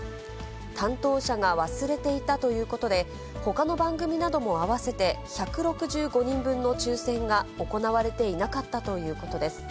担当者が忘れていたということで、ほかの番組なども合わせて１６５人分の抽せんが行われていなかったということです。